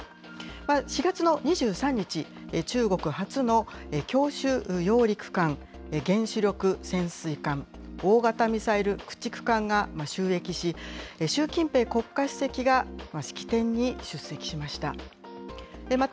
４月の２３日、中国初の強襲揚陸艦、原子力潜水艦、大型ミサイル駆逐艦が就役し、習近平国家主席が式典に出席しました。